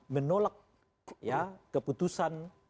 menolak ya keputusan